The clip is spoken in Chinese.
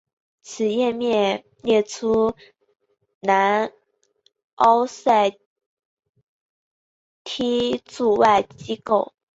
此页面列出南奥塞梯驻外机构。